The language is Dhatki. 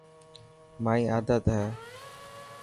مائي آدت هي.